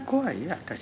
私」